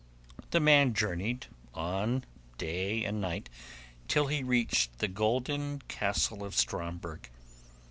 The man journeyed on day and night till he reached the golden castle of Stromberg.